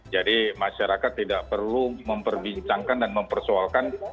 jadi masyarakat tidak perlu memperbincangkan dan mempersoalkan